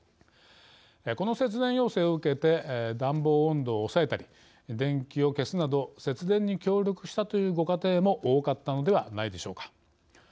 この節電要請を受けて暖房温度を抑えたり電気を消すなど節電に協力したというご家庭も多かったのではないでしょうか。